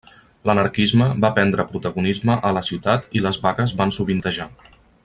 L’anarquisme va prendre protagonisme a la ciutat i les vagues van sovintejar.